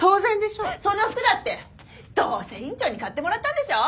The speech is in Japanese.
その服だってどうせ院長に買ってもらったんでしょ？